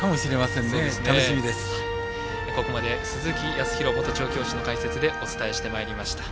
ここまで鈴木康弘元調教師の解説でお伝えしてまいりました。